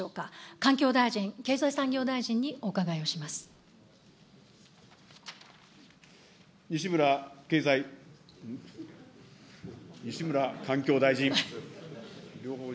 環境大臣、経済産業大臣にお伺い西村環境大臣。